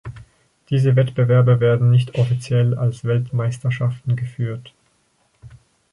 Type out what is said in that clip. Diese Wettbewerbe werden nicht offiziell als Weltmeisterschaften geführt.